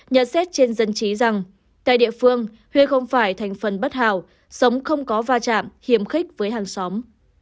nhận xét trên dân chí rằng tại địa phương huyên không phải thành phần bất hào sống không có va chạm hiểm khích với hàng xóm